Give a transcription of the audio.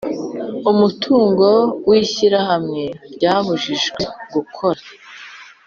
Umutungo w ishyirahamwe ryabujijwe gukora